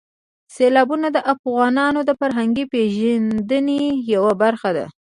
سیلابونه د افغانانو د فرهنګي پیژندنې یوه برخه ده.